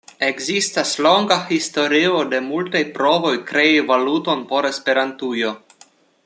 Ekzistas longa historio de multaj provoj krei valuton por Esperantujo.